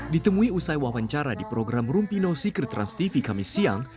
ditemui usai wawancara di program rumpino secret transtv kami siang